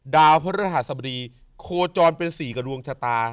ดาวพระฤหัสบดีโคจรเป็น๔กับดวงชะตา